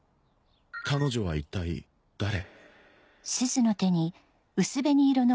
「彼女は一体誰？」。